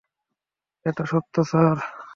এটাও সত্য, স্যার।